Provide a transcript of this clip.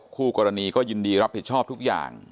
คู่กรณีก็ยินดีรับผิดชอบทุกอย่าง